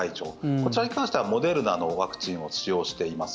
こちらに関してはモデルナのワクチンを使用しています。